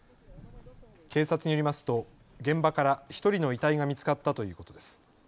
警察によりますと現場から１人の遺体が見つかったということです。